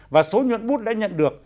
và số nhuận bút đã nhận được